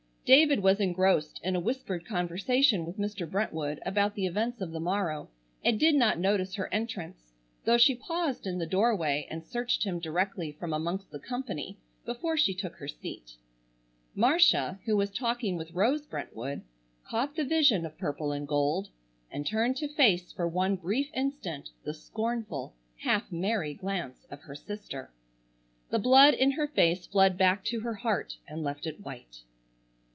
David was engrossed in a whispered conversation with Mr. Brentwood about the events of the morrow, and did not notice her entrance, though she paused in the doorway and searched him directly from amongst the company before she took her seat. Marcia, who was talking with Rose Brentwood, caught the vision of purple and gold and turned to face for one brief instant the scornful, half merry glance of her sister. The blood in her face fled back to her heart and left it white.